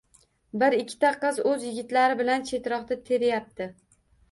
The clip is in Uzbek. Bir-ikkita qiz oʻz yigitlari bilan chetroqda teryapti.